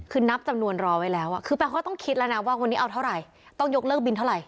คือนับจำนวนรอไว้แล้วคือแปลว่าต้องคิดแล้วนะว่าวันนี้เอาเท่าไหร่ต้องยกเลิกบินเท่าไห